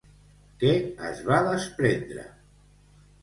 Què es va desprendre?